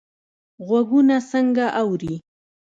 غوږونه څنګه اوري؟